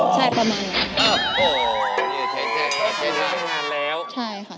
ใช่ประมาณนั้น